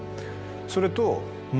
それと。